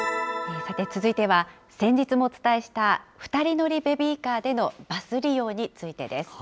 さて、続いては、先日もお伝えした、２人乗りベビーカーでのバス利用についてです。